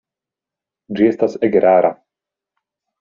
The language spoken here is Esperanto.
Ĝi estas ege rara.